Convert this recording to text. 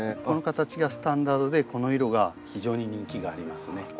この形がスタンダードでこの色が非常に人気がありますね。